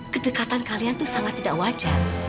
kedekatan kalian tuh sama tidak wajar